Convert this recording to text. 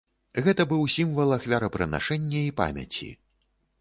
Гэта быў сімвал ахвярапрынашэння і памяці.